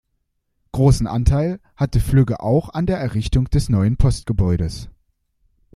Großen Anteil hatte Flügge auch an der Errichtung des neuen Postgebäudes.